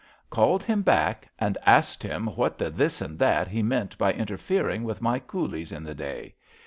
'^^^ Called him back, and asked him what the this and that he meant by interfering with my coolies in the day.